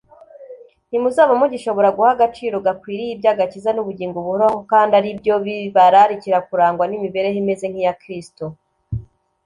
ntimuzaba mugishobora guha agaciro gakwiriye iby'agakiza n'ubugingo buhoraho kandi ari byo bibararikira kurangwa n'imibereho imeze nk'iya kristo